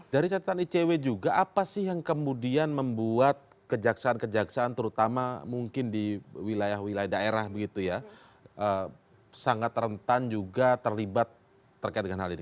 dari catatan icw juga apa sih yang kemudian membuat kejaksaan kejaksaan terutama mungkin di wilayah wilayah daerah begitu ya sangat rentan juga terlibat terkait dengan hal ini